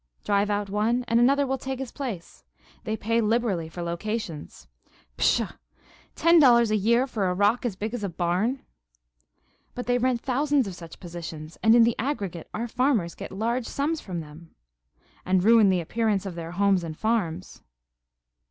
"Drive out one, and another will take his place. They pay liberally for locations " "Pshaw! Ten dollars a year for a rock as big as a barn!" "But they rent thousands of such positions, and in the aggregate our farmers get large sums from them." "And ruin the appearance of their homes and farms."